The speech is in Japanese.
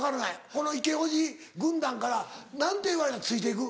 このイケおじ軍団から何て言われたらついていく？